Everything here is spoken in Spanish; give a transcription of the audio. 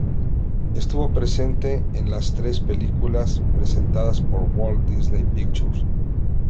Estuvo presente en las tres películas presentadas por Walt Disney Pictures.